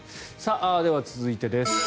では、続いてです。